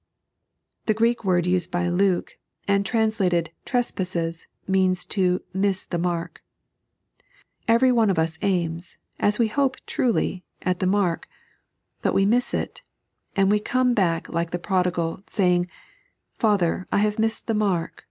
The Greek word used by Luke, and translated treq)asaes, means to miag the mark. Every one of us aims, as we hope truly, at the mark ; but we miss it, and we come back like the prodigal, saying :" Father, I have missed the mark.